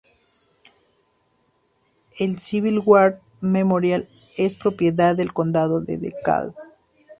El Civil War Memorial es propiedad del condado de DeKalb.